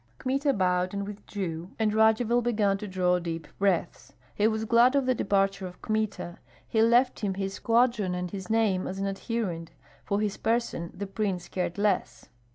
Kmita bowed and withdrew, and Radzivill began to draw deep breaths. He was glad of the departure of Kmita. He left him his squadron and his name as an adherent; for his person the prince cared less.